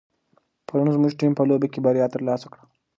پرون زموږ ټیم په لوبه کې بریا ترلاسه کړه.